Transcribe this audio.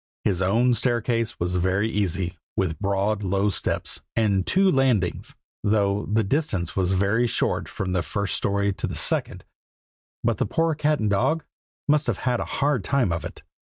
His own staircase was very easy, with broad low steps, and two landings, though the distance was very short from the first story to the second; but the poor cat and dog must have had a hard time of it.